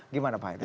gimana pak haidar